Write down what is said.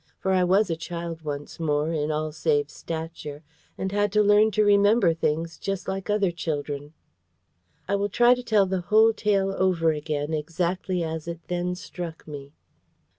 For I was a child once more, in all save stature, and had to learn to remember things just like other children. I will try to tell the whole tale over again exactly as it then struck me.